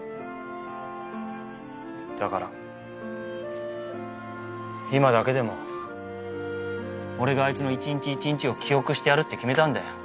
だから今だけでも俺があいつの一日一日を記憶してやるって決めたんだよ。